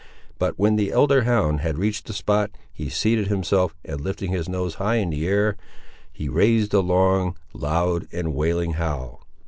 But, when the elder hound had reached the spot, he seated himself, and lifting his nose high into the air, he raised a long, loud, and wailing howl.